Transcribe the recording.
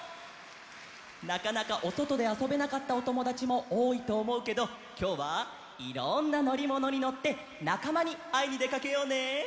なかなかおそとであそべなかったおともだちもおおいとおもうけどきょうはいろんなのりものにのってなかまにあいにでかけようね！